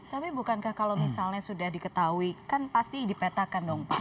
tapi bukankah kalau misalnya sudah diketahui kan pasti dipetakan dong pak